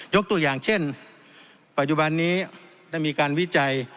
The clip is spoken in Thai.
ตัวอย่างเช่นปัจจุบันนี้ได้มีการวิจัย